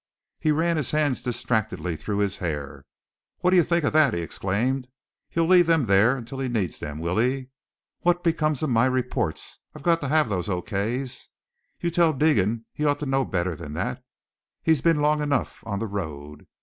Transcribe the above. He ran his hands distractedly through his hair. "What do you think of that?" he exclaimed. "He'll leave them there until he needs them, will he? What becomes of my reports? I've got to have those O. K.'s. You tell Deegan he ought to know better than that; he's been long enough on the road.